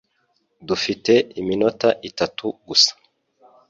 Dufite iminota itatu gusa